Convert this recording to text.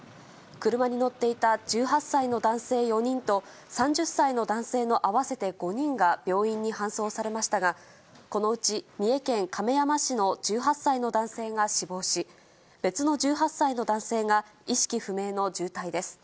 車に乗っていた１８歳の男性４人と、３０歳の男性の合わせて５人が病院に搬送されましたが、このうち三重県亀山市の１８歳の男性が死亡し、別の１８歳の男性が意識不明の重体です。